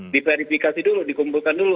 diverifikasi dulu dikumpulkan dulu